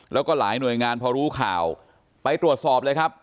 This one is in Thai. แล้วก็หลายหน่วยงานพอรู้ข่าวไปตรวจสอบเลยครับ